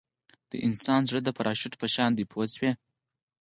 د انسان زړه د پراشوټ په شان دی پوه شوې!.